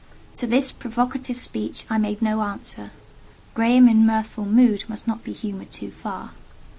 To this provocative speech I made no answer. Graham in mirthful mood must not be humoured too far.